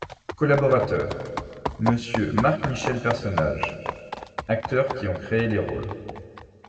COLLABORATEURS : Monsieur MARC-MICHEL PERSONNAGES Acteurs qui ontcréé les rôles.